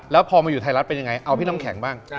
แล้วพอมาอยู่ไทยรัฐเป็นยังไงเอาพี่น้ำแข็งบ้าง